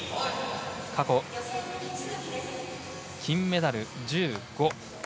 過去金メダル、１５。